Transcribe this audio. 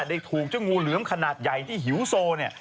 ได้ถูกเจ้างูเหลือมขนาดใหญ่ที่หิวโซเนี่ย